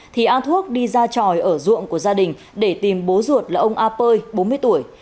thì an thuốc đi ra tròi ở ruộng của gia đình để tìm bố ruột là ông a pơi bốn mươi tuổi